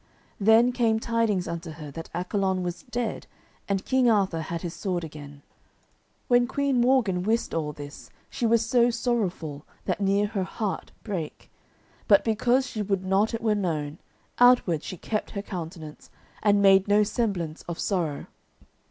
Then came tidings unto her that Accolon was dead and King Arthur had his sword again. When Queen Morgan wist all this she was so sorrowful that near her heart brake, but because she would not it were known, outward she kept her countenance, and made no semblance of sorrow.